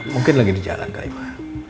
mungkin lagi di jalan kak ima